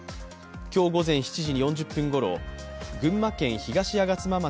今日午前７時４０分ごろ、群馬県東吾妻町